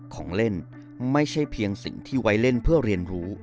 ของเล่นไม่ใช่เพียงสิ่งที่ไว้เล่นเพื่อเรียนรู้